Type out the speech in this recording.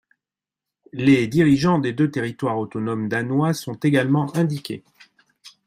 Les dirigeants des deux territoires autonomes danois sont également indiqués.